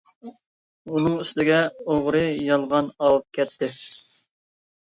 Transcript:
ئۈنىڭ ئۈستىگە ئوغرى - يالغان ئاۋۇپ كەتتى.